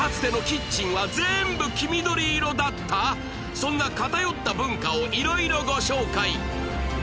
そんな偏った文化を色々ご紹介